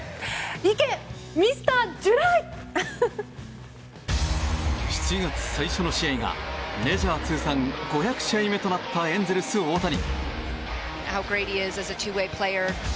行け、ミスタージュライ！７月最初の試合がメジャー通算５００試合目となったエンゼルス、大谷。